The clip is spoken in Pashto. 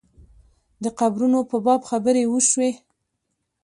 د قبرونو په باب خبرې وشوې.